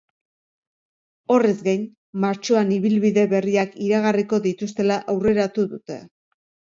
Horrez gain, martxoan ibilbide berriak iragarriko dituztela aurreratu dute.